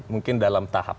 mungkin dalam tahap